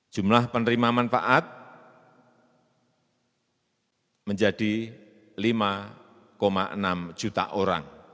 jumlah penerima manfaat menjadi lima enam juta orang